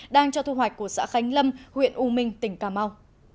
đang cho thu hoạch của xã khánh lâm huyện u minh tỉnh cà mau